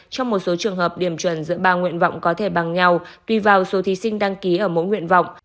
trong một số trường hợp điểm chuẩn giữa ba nguyện vọng có thể bằng nhau tùy vào số thí sinh đăng ký ở mỗi nguyện vọng